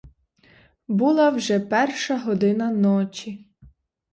Була вже перша година ночі.